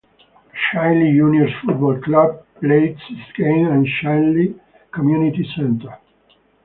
Chinley Juniors Football Club plays its games at Chinley Community Centre.